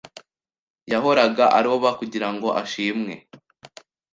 Yahoraga aroba kugirango ashimwe.